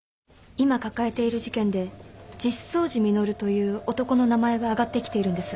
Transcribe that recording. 今抱えている事件で実相寺実という男の名前が上がってきているんです。